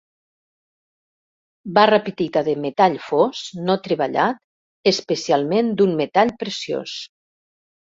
Barra petita de metall fos, no treballat, especialment d'un metall preciós.